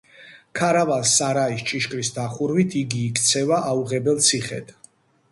ქარავან-სარაის ჭიშკრის დახურვით იგი იქცევა აუღებელ ციხედ.